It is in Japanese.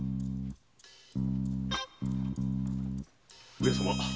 ・上様